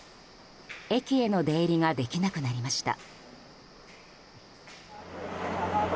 駅への出入りができなくなりました。